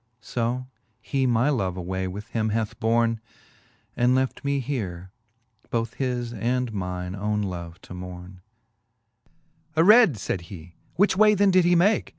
So he my love away with him hath borne. And left me here, both his and mine owne love to morne. XIX. Aread, fayd he, which way then did he make